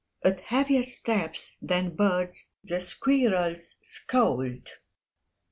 At heavier steps than birds' the squirrels scold.